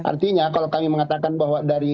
artinya kalau kami mengatakan bahwa dari